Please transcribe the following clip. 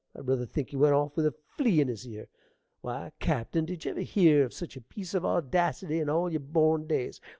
I ruther think he went off with a flea in his ear. Why, cappen, did ye ever hear of such a piece of audacity in all yer born days?